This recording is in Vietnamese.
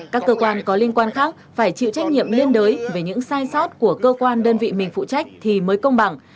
các cơ quan có liên quan khác phải chịu trách nhiệm liên đới về những sai sót của cơ quan đơn vị mình phụ trách thì mới công bằng